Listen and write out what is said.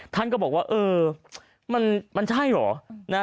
ท่านก็บอกว่าเออมันใช่เหรอ